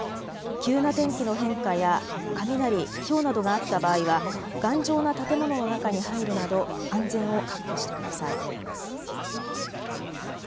急な天気の変化や雷、ひょうなどがあった場合は頑丈な建物の中に入るなど安全を確保してください。